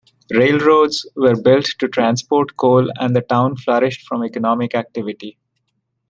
Railroads were built to transport the coal and the town flourished from economic activity.